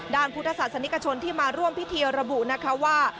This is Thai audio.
พุทธศาสนิกชนที่มาร่วมพิธีระบุนะคะว่า